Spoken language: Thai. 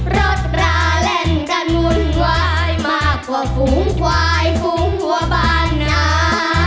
รถราเล่นกันวุ่นวายมากกว่าฝูงควายฝูงหัวบ้านหนา